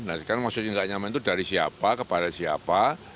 nah sekarang maksudnya tidak nyaman itu dari siapa kepada siapa